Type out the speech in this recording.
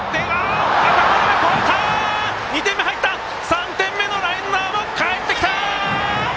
３点目のランナー、かえってきた。